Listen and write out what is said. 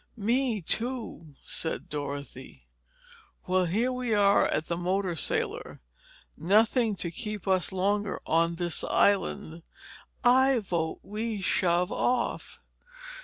"Me too," said Dorothy. "Well, here we are at the motor sailor. Nothing to keep us longer on this island. I vote we shove off."